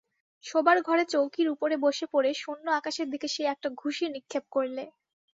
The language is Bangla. শোবার ঘরে চৌকির উপরে বসে পড়ে শূন্য আকাশের দিকে সে একটা ঘুষি নিক্ষেপ করলে।